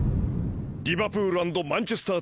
リバプール＆マンチェスター